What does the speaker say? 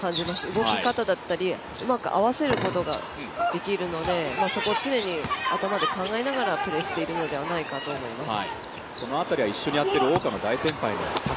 動き方だったりうまく合わせることができるのでそこを常に頭で考えながらプレーしているのではないかと思います。